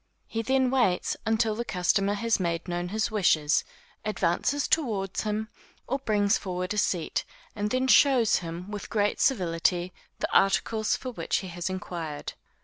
He then waits until the customer has made known his wishes, advances toward him, or brings forward a seat, then shows him, with great civility, the articles for which he has inquired.